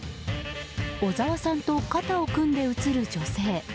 小沢さんと肩を組んで映る女性